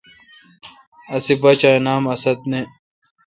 اسے°باچا اے°نام اسد نہ۔